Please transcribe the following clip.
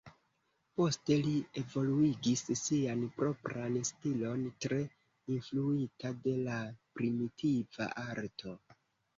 Poste li evoluigis sian propran stilon, tre influita de la primitiva arto.